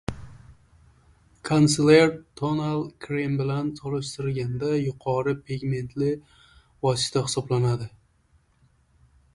Konsiler tonal krem bilan solishtirganda yuqori pigmentli vosita hisoblanadi